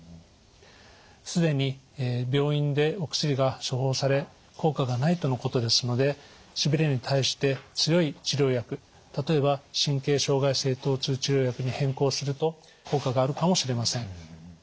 既に病院でお薬が処方され効果がないとのことですのでしびれに対して強い治療薬例えば神経障害性とう痛治療薬に変更すると効果があるかもしれません。